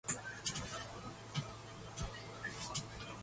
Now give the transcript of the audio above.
The village was named after Judson Canfield, a land agent.